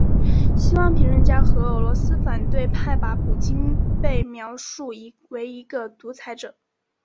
西方评论家和俄罗斯反对派把普京被描述为一个独裁者。